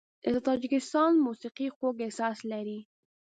د تاجکستان موسیقي خوږ احساس لري.